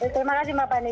terima kasih mbak pani